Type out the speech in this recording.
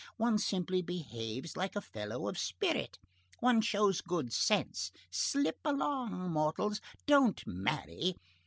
One simply behaves like a fellow of spirit. One shows good sense. Slip along, mortals; don't marry.